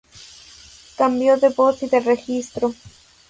Cambio de voz y de registro.